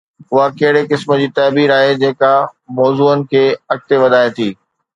اها ڪهڙي قسم جي تعبير آهي جيڪا موضوعن کي اڳتي وڌائي ٿي؟